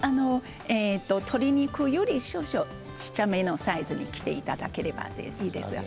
鶏肉より少々小っちゃめのサイズに切っていただければいいです。